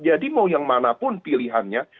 jadi mau yang manapun pilihannya